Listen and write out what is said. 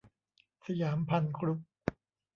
สยามภัณฑ์กรุ๊ป